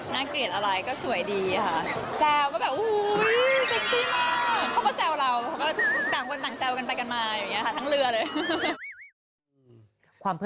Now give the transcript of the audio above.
น่าเกรียดอะไรก็สวยดีอะคะ